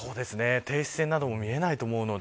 停止線なども見えないと思います。